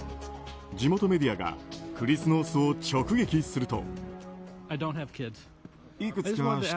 地元メディアがクリス・ノースを直撃すると。